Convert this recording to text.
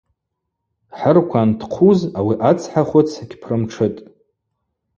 Хӏырква антхъуз ауи ацхӏа хвыц гьпрымтшытӏ.